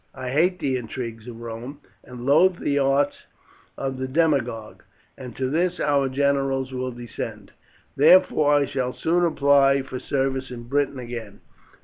I hate the intrigues of Rome, and loathe the arts of the demagogue, and to this our generals will descend. Therefore I shall soon apply for service in Britain again.